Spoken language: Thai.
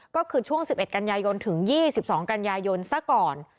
ก็คือช่วง๑๑กันยายนถึง๒๒กันยายนซะก่อน